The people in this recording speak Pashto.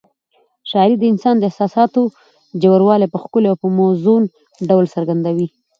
شاعري د انسان د احساساتو ژوروالی په ښکلي او موزون ډول څرګندوي.